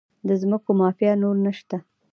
د ځمکو مافیا نور نشته؟